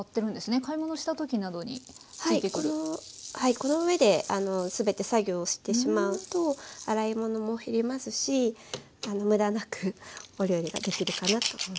この上で全て作業をしてしまうと洗い物も減りますし無駄なくお料理ができるかなと思います。